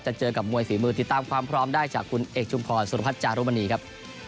เจอกับมวยฝีมือติดตามความพร้อมได้จากคุณเอกชุมพรสุรพัฒน์จารุมณีครับ